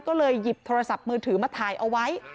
ก็เลยหยิบโทรศัพท์มือถือมาถ่ายเอาไว้